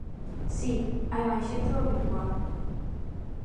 Si, hai máis xente do habitual.